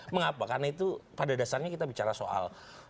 mengapa karena itu pada dasarnya kita bicara soal